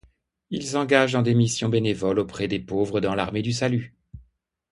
Il s'engage dans des missions bénévoles auprès des pauvres dans l'Armée du Salut.